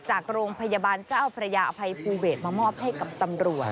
จากโรงพยาบาลเจ้าพระยาอภัยภูเวทมามอบให้กับตำรวจ